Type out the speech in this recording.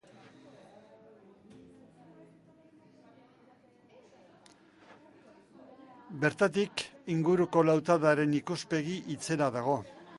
Bertatik inguruko lautadaren ikuspegi itzela dago.